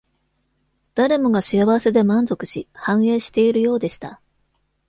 誰もが幸せで満足し、繁栄しているようでした。